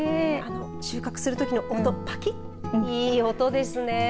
収穫するときの音ぱきっいい音ですね。